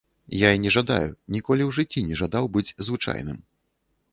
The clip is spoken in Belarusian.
Я і не жадаю, ніколі ў жыцці не жадаў быць звычайным.